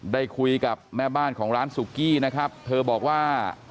ได้คุยกับแม่บ้านของร้านสุกี้นะครับเธอบอกว่า